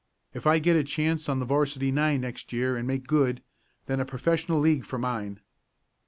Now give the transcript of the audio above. If I get a chance on the 'varsity nine next year and make good then a professional league for mine."